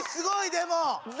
でも。